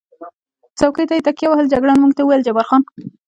څوکۍ ته یې تکیه ووهل، جګړن موږ ته وویل: جبار خان.